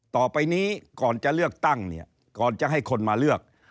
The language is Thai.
ต่อไปนี้ก่อนจะเลือกตั้งเนี่ยก่อนจะให้คนมาเลือก